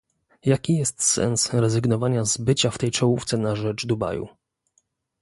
Jaki jest sens rezygnowania z bycia w tej czołówce na rzecz Dubaju?